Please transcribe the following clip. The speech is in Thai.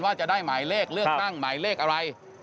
ว่าจะได้หมายเลขเลือกตั้งหมายเลขอะไร